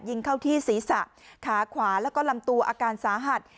ยิงเข้าที่ศีรษะขาขวาแล้วก็ลำตัวอาการสาหัส